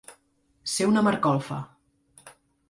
Ser una marcolfa.